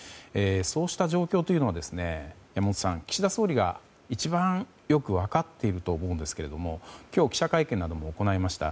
そうした状況というのは山本さん、岸田総理が一番よく分かっていると思うんですが今日、記者会見なども行いました。